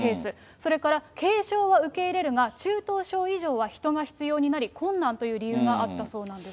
それから軽症は受け入れるが、中等症以上は人が必要になり困難という理由があったそうなんです。